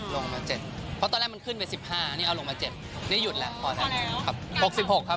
ลงมาเจ็ดเพราะตอนแรกมันขึ้นไปสิบห้านี่เอาลงมาเจ็ดนี่หยุดแล้วพอแล้วครับหกสิบหกครับ